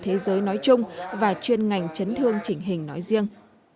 thế giới nói chung và chuyên ngành chấn thương chỉnh hình nói riêng